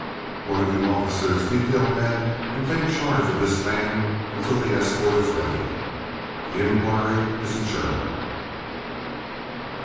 One of you officers detail men and take charge of this man until the escort is ready. The inquiry is adjourned."